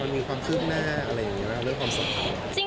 มันมีความคลึกหน้าอะไรอย่างนี้เรื่องความสุข